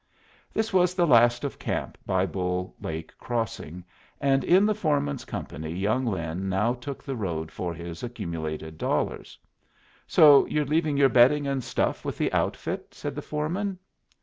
This was the last of camp by Bull Lake Crossing, and in the foreman's company young Lin now took the road for his accumulated dollars. "So you're leaving your bedding and stuff with the outfit?" said the foreman.